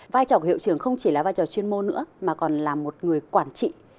vai trò của hiệu trưởng không chỉ là vai trò chuyên môn nữa mà còn là một người quản trị